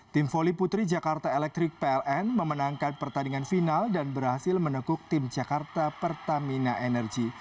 tim voli putri jakarta electric pln memenangkan pertandingan final dan berhasil menekuk tim jakarta pertamina energy